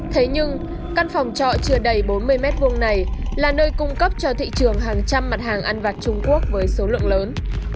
thế nhưng căn phòng trọ chưa đầy bốn mươi m hai này là nơi cung cấp cho thị trường hàng trăm mặt hàng ăn vặt trung quốc với số lượng lớn